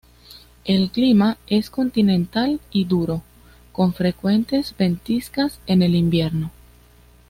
El clima es continental y duro, con frecuentes ventiscas en el invierno.